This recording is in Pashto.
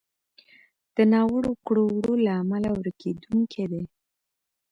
د ناوړو کړو وړو له امله ورکېدونکی دی.